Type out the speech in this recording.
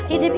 ya deh bi